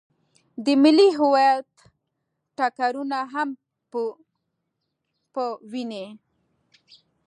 د ملي هویت ټکرونه هم په ويني.